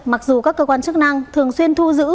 mặc dù các cơ quan chức năng thường xuyên thu giữ